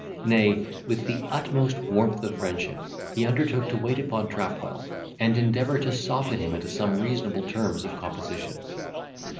Nay, with the utmost warmth of friendship, he undertook to wait upon Trapwell, and endeavour to soften him into some reasonable terms of composition.